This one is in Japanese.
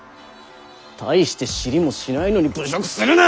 大して知りもしないのに侮辱するな！